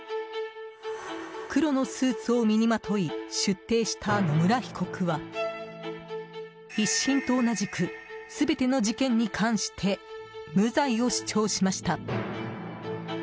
黒のスーツを身にまとい出廷した野村被告は１審と同じく全ての事件に関して無罪を主張しました。